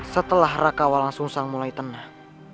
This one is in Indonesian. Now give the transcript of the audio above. setelah rekawal langsung mulai tenang